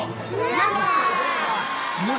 やった！